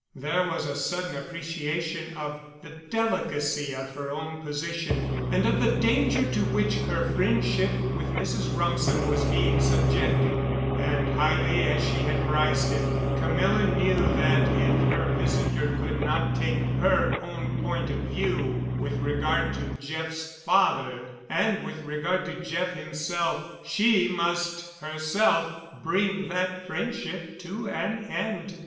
There was a sudden appreciation of the delicacy of her own position and of the danger to which her friendship with Mrs. Rumsen was being subjected—and, highly as she had prized it, Camilla knew that if her visitor could not take her own point of view with regard to Jeff's father and with regard to Jeff himself she must herself bring that friendship to an end.